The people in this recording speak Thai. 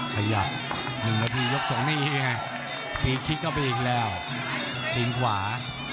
ขยับ๑นาทียก๒นี่ไงทีคลิกเข้าไปอีกแล้วทิ้งขวา